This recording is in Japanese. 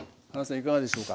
いかがでしょうか？